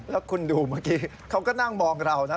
แล้วคุณดูเมื่อกี้เขาก็นั่งมองเรานะ